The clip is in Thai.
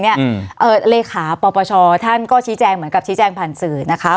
เลขาปปชท่านก็ชี้แจงเหมือนกับชี้แจงผ่านสื่อนะคะ